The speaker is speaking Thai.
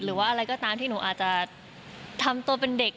หรือว่าอะไรก็ตามที่หนูอาจจะทำตัวเป็นเด็ก